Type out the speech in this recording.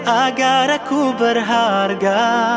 agar aku berharga